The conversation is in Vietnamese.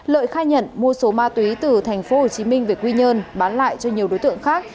lợi khai nhận mua số ma túy từ thành phố hồ chí minh về quy nhơn bán lại cho nhiều đối tượng khác